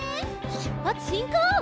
しゅっぱつしんこう！